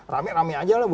rame rame aja lah